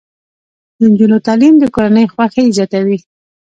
د نجونو تعلیم د کورنۍ خوښۍ زیاتوي.